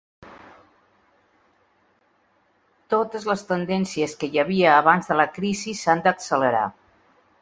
Totes les tendències que hi havia abans de la crisi s’han d’accelerar.